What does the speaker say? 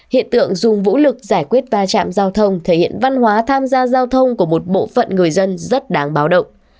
hiện tượng dùng vũ lực giải quyết va chạm giao thông thể hiện văn hóa tham gia giao thông của một bộ phận người dân rất đáng báo động